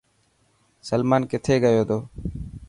سلمان ڪٿي گيو تو.